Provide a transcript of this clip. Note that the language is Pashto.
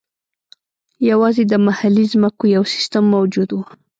یوازې د محلي ځمکو یو سیستم موجود و.